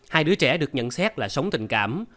hai đứa trẻ được nhận xét là sống tình cảm